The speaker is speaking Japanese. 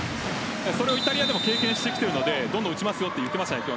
それをイタリアでも経験してきているのでどんどん打ちますと言っていました。